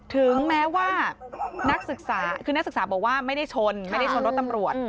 ถึงแม้ว่านักศึกษาคือนักศึกษาบอกว่าไม่ได้ชนไม่ได้ชนรถตำรวจ